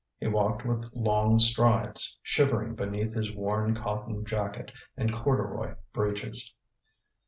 He walked with long strides, shivering beneath his worn cotton jacket and corduroy breeches.